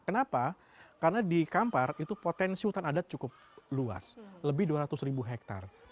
kenapa karena di kampar itu potensi hutan adat cukup luas lebih dua ratus ribu hektare